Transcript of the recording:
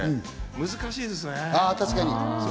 難しいですね。